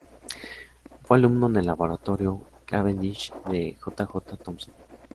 Fue alumno en el laboratorio Cavendish de J. J. Thomson.